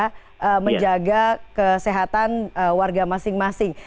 kita menjaga kesehatan warga masing masing